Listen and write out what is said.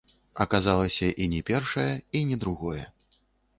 Аказалася, і ні першае, і ні другое.